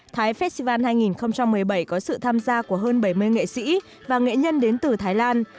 thái festival hai nghìn một mươi bảy có sự tham gia của hơn bảy mươi nghệ sĩ và nghệ nhân đến từ thái lan